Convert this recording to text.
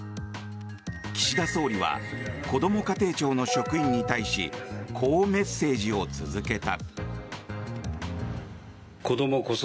岸田総理はこども家庭庁の職員に対しこうメッセージを続けた。